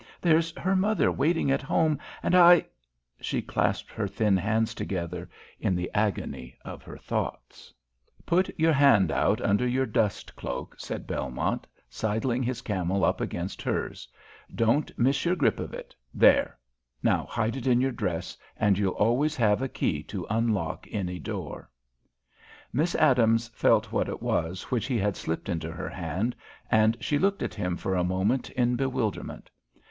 There's her mother waiting at home, and I " She clasped her thin hands together in the agony of her thoughts. "Put your hand out under your dust cloak," said Belmont, sidling his camel up against hers. "Don't miss your grip of it. There! Now hide it in your dress, and you'll always have a key to unlock any door." [Illustration: Don't miss your grip of it p111] Miss Adams felt what it was which he had slipped into her hand, and she looked at him for a moment in bewilderment.